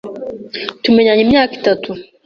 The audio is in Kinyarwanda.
Tumenyanye imyaka itatu.